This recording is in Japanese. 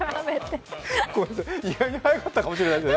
意外に早かったかもしれないですね。